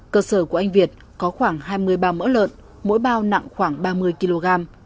cơ sở của anh việt có khoảng hai mươi bao mỡ lợn mỗi bao nặng khoảng ba mươi kg